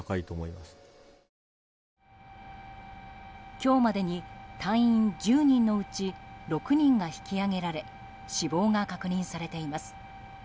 今日までに隊員１０人のうち６人が引き揚げられ死亡が確認されています。